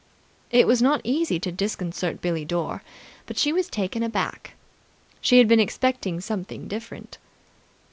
It was not easy to disconcert Billie Dore, but she was taken aback. She had been expecting something different.